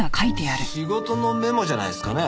仕事のメモじゃないですかね？